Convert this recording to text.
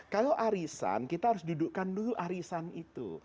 kalau arisan kita harus dudukkan dulu arisan itu